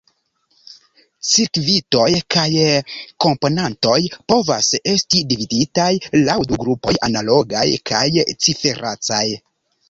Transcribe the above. Cirkvitoj kaj komponantoj povas esti dividitaj laŭ du grupoj: analogaj kaj ciferecaj.